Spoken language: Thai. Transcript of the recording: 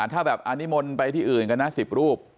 ถ้าแบบนิมนต์ไปที่อื่นกันนะ๑๐รูป